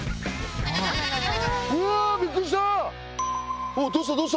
うわびっくりした！